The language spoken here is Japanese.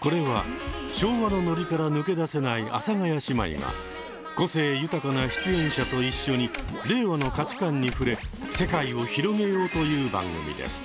これは昭和のノリから抜け出せない阿佐ヶ谷姉妹が個性豊かな出演者と一緒に令和の価値観に触れ世界を広げようという番組です。